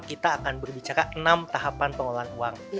kita akan berbicara enam tahapan pengolahan uang